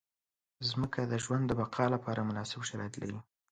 مځکه د ژوند د بقا لپاره مناسب شرایط لري.